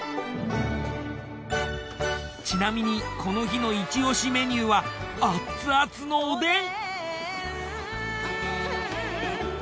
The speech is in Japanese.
ちなみにこの日のイチ押しメニューは熱々のおでん。